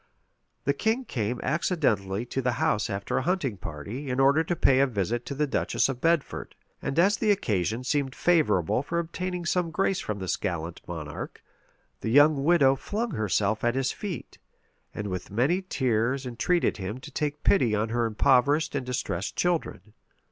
The king came accidentally to the house after a hunting party, in order to pay a visit to the duchess of Bedford; and as the occasion seemed favorable for obtaining some grace from this gallant monarch, the young widow flung herself at his feet, and with many tears entreated him to take pity on her impoverished and distressed children.